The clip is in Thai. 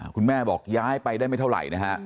คุณแม่บอกย้ายไปได้ไม่เท่าไหร่นะฮะ